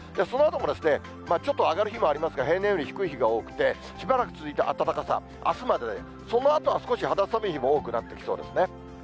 そのあともちょっと上がる日もありますが、平年より低い日が多くて、しばらく続いた暖かさ、あすまでで、そのあとは少し肌寒い日も多くなってきそうですね。